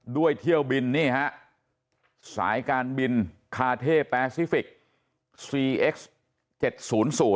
เที่ยวบินนี่ฮะสายการบินคาเท่แปซิฟิกซีเอ็กซ์๗๐๐